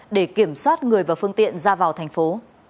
để kiểm soát người và phương tiện ra vào thành phố